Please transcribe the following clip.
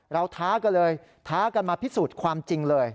ท้ากันเลยท้ากันมาพิสูจน์ความจริงเลย